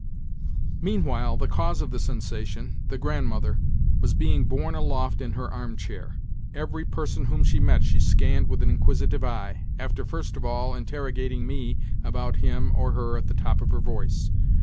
Meanwhile the cause of the sensation—the Grandmother—was being borne aloft in her armchair. Every person whom she met she scanned with an inquisitive eye, after first of all interrogating me about him or her at the top of her voice.